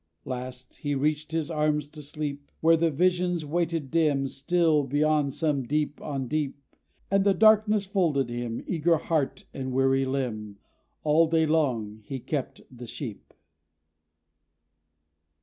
Last, he reached his arms to sleep, Where the Vision waited, dim, Still beyond some deep on deep. And the darkness folded him, Eager heart and weary limb. All day long, he kept the sheep.